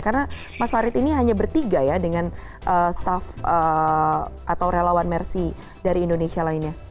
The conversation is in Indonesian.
karena mas farid ini hanya bertiga ya dengan staff atau relawan mersi dari indonesia lainnya